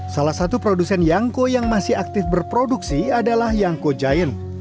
salah satu produsen yangko yang masih aktif berproduksi adalah yangko giant